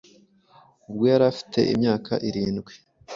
ubwo yari afite imyaka irindwi